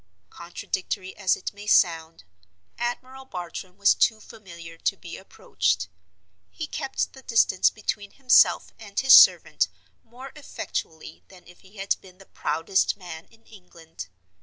Contradictory as it may sound, Admiral Bartram was too familiar to be approached; he kept the distance between himself and his servant more effectually than if he had been the proudest man in England.